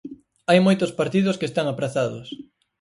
Hai moitos partidos que están aprazados.